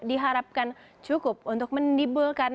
diharapkan cukup untuk menimbulkan